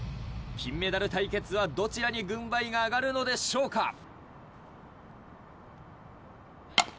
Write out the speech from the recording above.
金メダル対決はどちらに軍配が上がるのでしょうか。